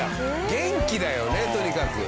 元気だよねとにかく。